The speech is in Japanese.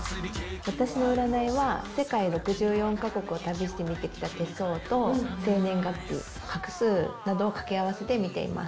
私の占いは世界６４カ国を旅して見てきた手相と生年月日画数などを掛け合わせて見ています。